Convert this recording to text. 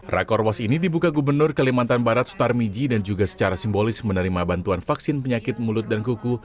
rakor was ini dibuka gubernur kalimantan barat sutar miji dan juga secara simbolis menerima bantuan vaksin penyakit mulut dan kuku